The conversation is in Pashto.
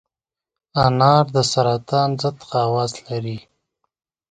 انار د سرطان ضد خواص لري.